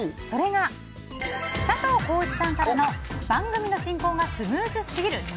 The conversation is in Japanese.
それが、佐藤浩市さんからの番組の進行がスムーズすぎる！